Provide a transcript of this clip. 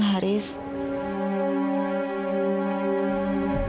apa yang dia lakukan